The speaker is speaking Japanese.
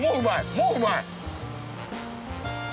もううまい？